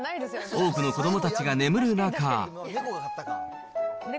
多くの子どもたちが眠る中。